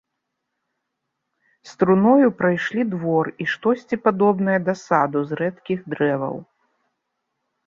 З труною прайшлі двор і штосьці падобнае да саду з рэдкіх дрэваў.